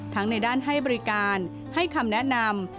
ในด้านให้บริการให้คำแนะนำ